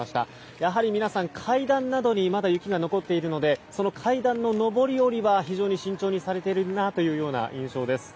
やはり皆さん、階段などにまだ雪が残っているのでその階段の上り下りは非常に慎重にされているなという印象です。